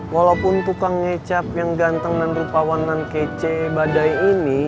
walaupun tukang ngecap yang ganteng dan rupa wana kece badai ini